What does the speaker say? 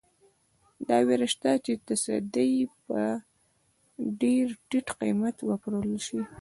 دا وېره شته چې تصدۍ په ډېر ټیټ قیمت وپلورل شي.